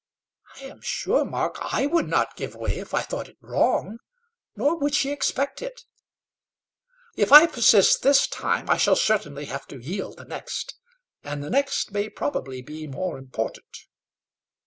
"I am sure, Mark, I would not give way, if I thought it wrong. Nor would she expect it." "If I persist this time, I shall certainly have to yield the next; and then the next may probably be more important."